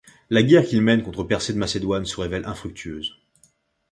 La guerre qu'il mène contre Persée de Macédoine se révèle infructueuse.